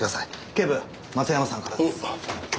警部松山さんからです。